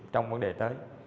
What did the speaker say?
trong vấn đề tới